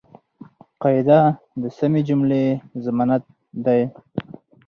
قاعده د سمي جملې ضمانت دئ.